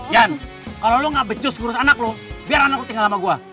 yan kalau lo gak becus kurus anak lo biar anak lo tinggal sama gue